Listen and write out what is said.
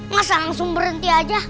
masa langsung berhenti aja